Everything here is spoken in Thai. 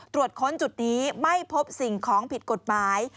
ตรวจค้นจุดนี้ไม่พบสิ่งของผิดกฎหมาย